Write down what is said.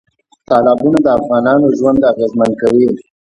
تالابونه د افغانانو ژوند اغېزمن کوي.